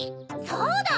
そうだ！